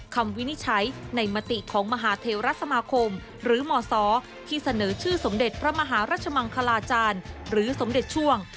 วินิจฉัยในมติของมหาเทวรัฐสมาคมหรือหมอศที่เสนอชื่อสมเด็จพระมหารัชมังคลาจารย์หรือสมเด็จช่วง